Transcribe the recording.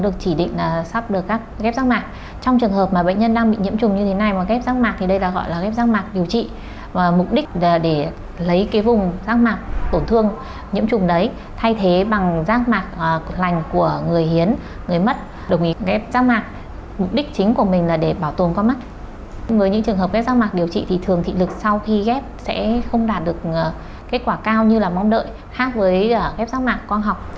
thường thị lực sau khi ghép sẽ không đạt được kết quả cao như là mong đợi khác với ghép rác mạc quang học